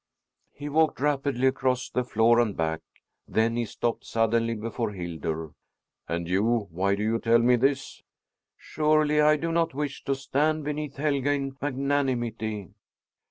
He walked rapidly across the floor and back, then he stopped suddenly before Hildur. "And you why do you tell me this?" "Surely I do not wish to stand beneath Helga in magnanimity!"